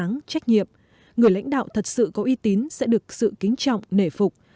sáng trách nhiệm người lãnh đạo thật sự có uy tín sẽ được sự kính trọng nể phục